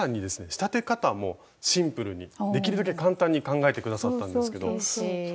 仕立て方もシンプルにできるだけ簡単に考えて下さったんですけどそれがねこちらなんですが。